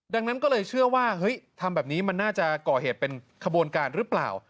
ดังนั้นก็เลยเชื่อว่าเฮ้ยทำแบบนี้มันน่าจะก่อเหตุเป็นขบวนการหรือเปล่า